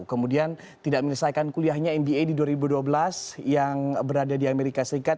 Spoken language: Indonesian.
kemudian tidak menyelesaikan kuliahnya mba di dua ribu dua belas yang berada di amerika serikat